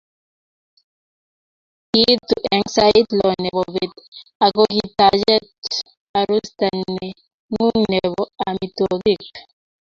Kiitu eng sait lo nebo bet akokitachech arusta nenguu nebo amitwogik